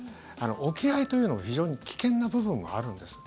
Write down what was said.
置き配というのは非常に危険な部分があるんです。